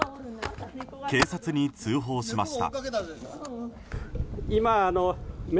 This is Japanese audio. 警察に通報しました。